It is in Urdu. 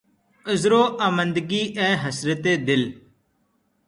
عذر واماندگی، اے حسرتِ دل!